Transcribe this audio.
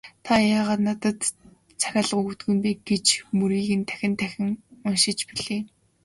"Та яагаад надад захиа өгдөггүй юм бэ» гэсэн мөрийг нь дахин дахин уншиж билээ.